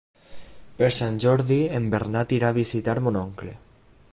Per Sant Jordi en Bernat irà a visitar mon oncle.